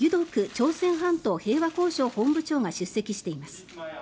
朝鮮半島平和交渉本部長が出席しています。